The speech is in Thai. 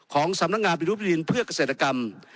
ของสำนักงานปฏิรูปที่ดินเพื่อเกษตรกรรม